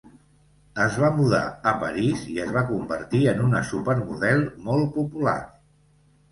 Es va mudar a París i es va convertir en una supermodel molt popular.